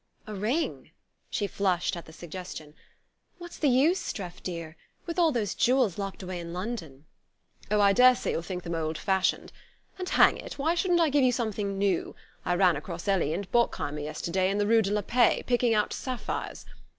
"A ring?" She flushed at the suggestion. "What's the use, Streff, dear? With all those jewels locked away in London " "Oh, I daresay you'll think them old fashioned. And, hang it, why shouldn't I give you something new, I ran across Ellie and Bockheimer yesterday, in the rue de la Paix, picking out sapphires.